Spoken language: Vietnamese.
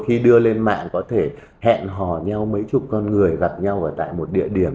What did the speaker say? khi đưa lên mạng có thể hẹn hò nhau mấy chục con người gặp nhau ở tại một địa điểm